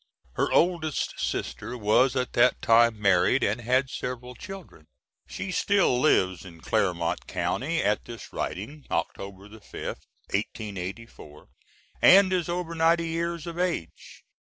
Her oldest sister was at that time married, and had several children. She still lives in Clermont County at this writing, October 5th, 1884, and is over ninety years of age.